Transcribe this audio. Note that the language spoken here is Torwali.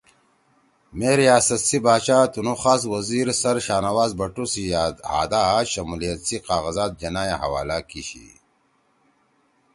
مے ریاست سی باچا تُنُو خاص وزیر سر شاہنواز بھٹو سی ہادا شمولیت سی قاغذات جناح ئے حوالہ کی شی